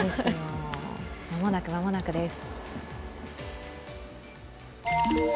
間もなく、間もなくです。